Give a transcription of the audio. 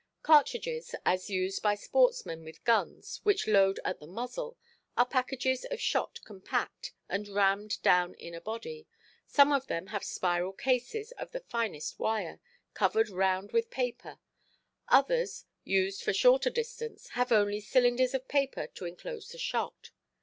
Cartridges, as used by sportsmen with guns which load at the muzzle, are packages of shot compact, and rammed down in a body. Some of them have spiral cases of the finest wire, covered round with paper; others, used for shorter distance, have only cylinders of paper to enclose the shot.